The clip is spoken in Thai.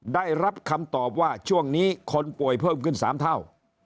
ได้รับคำตอบว่าช่วงนี้คนป่วยเพิ่มขึ้น๓เท่า